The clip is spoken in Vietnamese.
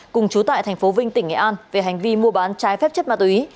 cùng chú tại tp vinh tỉnh nghệ an về hành vi mua bán trái phép chất ma túy